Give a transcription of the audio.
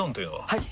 はい！